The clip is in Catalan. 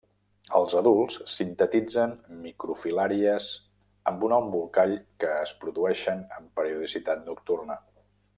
Els adults sintetitzen microfilàries amb un embolcall que es produeixen amb periodicitat nocturna.